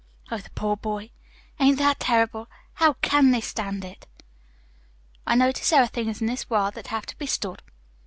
"Oh, the poor boy! Ain't that terrible? How CAN they stand it?" "I notice there are things in this world that have to be stood.